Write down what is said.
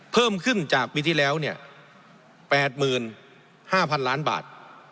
เพิ่มขึ้นจากปีที่แล้ว๘๕๐๐๐ล้านบาท